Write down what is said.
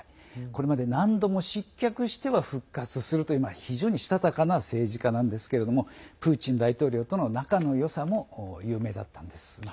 これまで何度も失脚しては復活するという非常にしたたかな政治家なんですけれどもプーチン大統領との仲のよさも有名だったんです。